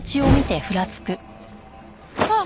あっ！